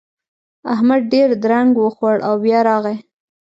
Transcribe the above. احمد ډېر درنګ وخوړ او بيا راغی.